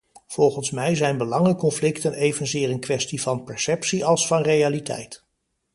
Volgens mij zijn belangenconflicten evenzeer een kwestie van perceptie als van realiteit.